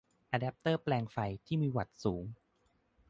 อะแดปเตอร์แปลงไฟที่มีวัตต์สูง